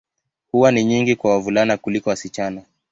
Huwa ni nyingi kwa wavulana kuliko wasichana.